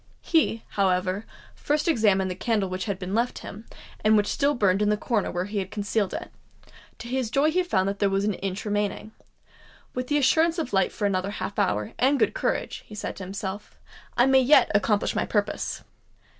He, however, first examined the candle which had been left him, and which still burned in the corner where he had concealed it:—to his joy he found that there was an inch remaining. "With the assurance of light for another half hour, and good courage," he said to himself, "I may yet accomplish my purpose."